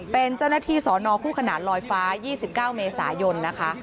เป็นเจ้าหน้าที่สอนอคู่ขนาดลอยฟ้า๒๙เมษายนนะคะ